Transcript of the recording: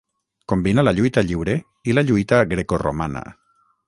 Combinà la lluita lliure i la lluita grecoromana.